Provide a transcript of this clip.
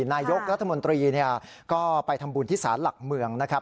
นายกรัฐมนตรีก็ไปทำบุญที่ศาลหลักเมืองนะครับ